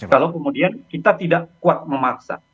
kalau kemudian kita tidak kuat memaksa